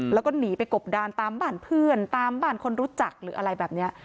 แล้วก็หนีไปกบดานตามบ้านเพื่อนตามบ้านคนรู้จักหรืออะไรแบบนี้